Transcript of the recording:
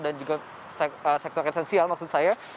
dan juga sektor esensial maksud saya